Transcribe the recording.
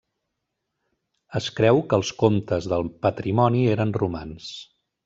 Es creu que els comtes del patrimoni eren romans.